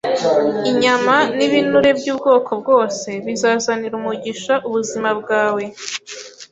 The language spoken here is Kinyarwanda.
inyama n’ibinure by’ubwoko bwose, bizazanira umugisha ubuzima bwawe,